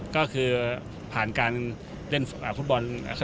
ก็คือผ่านการเล่นฟุตบอล